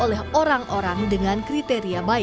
oleh orang orang dengan kriteria baik